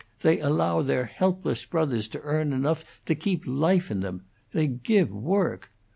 They allow their helpless brothers to earn enough to keep life in them! They give work!